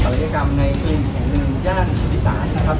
ศัลยกรรมในกลิ่นแห่งหนึ่งย่านวิสานนะครับ